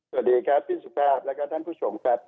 สวัสดีครับปุ๊บบับและกับท่านผู้ชมครับ